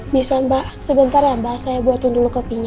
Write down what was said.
bisa mbak sebentar ya mbak saya buatin dulu kopinya